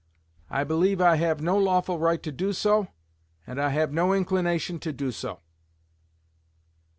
I believe I have no lawful right to do so, and I have no inclination to do so."